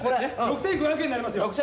６５００円になりますよ。